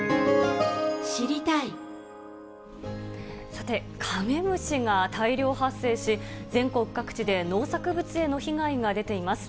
さて、カメムシが大量発生し、全国各地で農作物への被害が出ています。